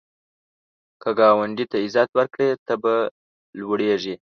که ګاونډي ته عزت ورکړې، ته به لوړیږې